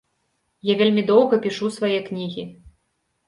Я вельмі доўга пішу свае кнігі.